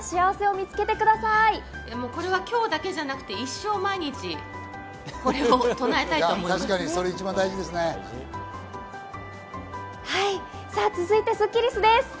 これは今日だけじゃなくて、一生、毎日、これを唱えたいと思います。